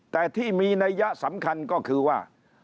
แต่ที่มีนัยยะสำคัญก็คือว่า